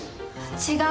違う。